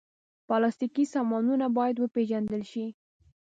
پلاستيکي سامانونه باید وپېژندل شي.